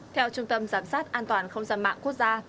theo trung tâm giám sát an toàn không gian mạng quốc gia